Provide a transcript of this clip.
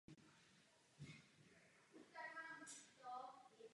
Práce však byly z ekonomických důvodů zastaveny.